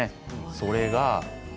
それが。